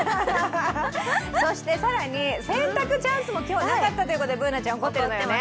更に、洗濯チャンスも今日はなかったということでＢｏｏｎａちゃん怒っているのよね。